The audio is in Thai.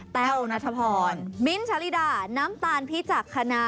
แต้วนัทพรมิ้นท์ชาลิดาน้ำตาลพิจักษณา